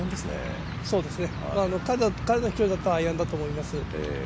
彼の飛距離だと今日はアイアンだと思います。